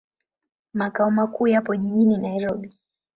Makao makuu yapo jijini Nairobi.